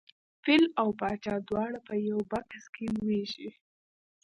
فیل او پاچا دواړه په یوه بکس کې لویږي.